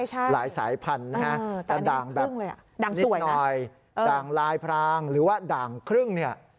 ใช่หลายสายพันธุ์นะครับแต่ด่างแบบนิดหน่อยด่างลายพรางหรือว่าด่างครึ่ง